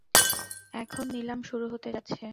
এখন নিলাম শুরু হতে যাচ্ছে।